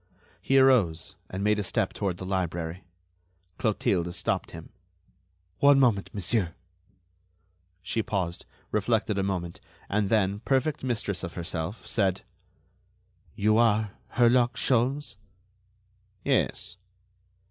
He arose, and made a step toward the library. Clotilde stopped him: "One moment, monsieur." She paused, reflected a moment, and then, perfect mistress of herself, said: "You are Herlock Sholmes?" "Yes."